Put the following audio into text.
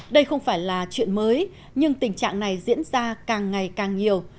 đây không phải là chuyện mới nhưng tình trạng này diễn ra càng ngày càng nhiều